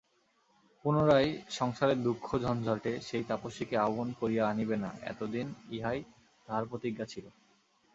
পুনরায় সংসারেরদুঃখ-ঝঞ্ঝাটে সেই তাপসীকে আহ্বান করিয়া আনিবে না, এতদিন ইহাই তাহার প্রতিজ্ঞা ছিল।